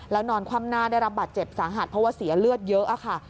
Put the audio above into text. แล้วนอนคว่ำหน้าได้รับบาดเจ็บสาหัสเพราะว่าเสียเลือดเยอะค่ะ